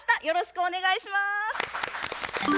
よろしくお願いします。